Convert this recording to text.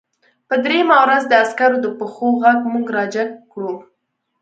په درېیمه ورځ د عسکرو د پښو غږ موږ راجګ کړو